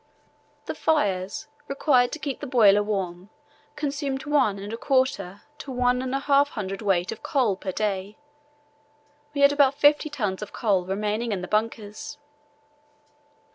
The fires required to keep the boiler warm consumed one and a quarter to one and a half hundred weight of coal per day. We had about fifty tons of coal remaining in the bunkers.